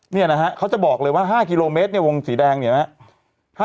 เนี่ยนะฮะเขาจะบอกเลยว่า๕กิโลเมตรเนี่ยวงสีแดงเนี่ยนะครับ